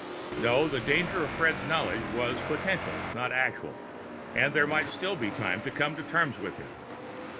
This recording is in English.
No; the danger in Fred's knowledge was potential, not actual, and there might still be time to come to terms with him.